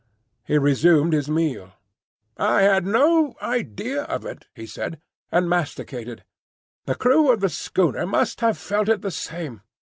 He resumed his meal. "I had no idea of it," he said, and masticated. "The crew of the schooner must have felt it the same.